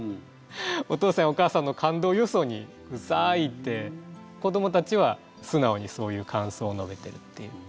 お父さんやお母さんの感動をよそに「くさい」って子どもたちは素直にそういう感想を述べてるっていう。